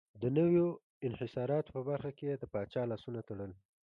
د نویو انحصاراتو په برخه کې یې د پاچا لاسونه تړل.